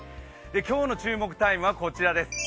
今日の注目タイムはこちらです